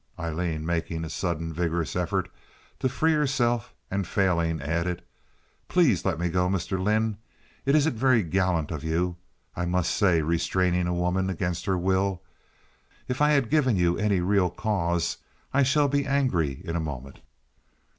Aileen, making a sudden vigorous effort to free herself and failing, added: "Please let me go, Mr. Lynde. It isn't very gallant of you, I must say, restraining a woman against her will. If I had given you any real cause—I shall be angry in a moment."